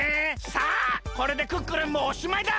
さあこれでクックルンもおしまいだ。